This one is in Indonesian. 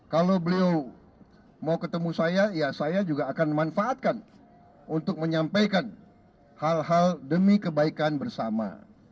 kalau beliau mau ketemu saya ya saya juga akan memanfaatkan untuk menyampaikan hal hal demi kebaikan bersama